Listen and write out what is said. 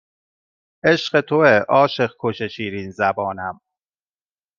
عشق توئه عاشق کش شیرین زبانم